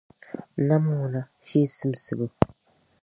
Nam ŋuna, shee simsibu.